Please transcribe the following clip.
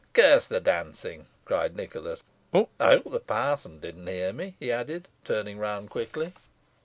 "Curse the dancing!" cried Nicholas "I hope the parson didn't hear me," he added, turning round quickly.